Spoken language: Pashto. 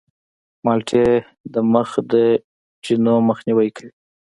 مالټې د مخ د چینو مخنیوی کوي.